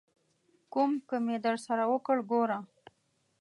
ک و م ک مې درسره وکړ، ګوره!